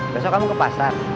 besok kamu ke pasar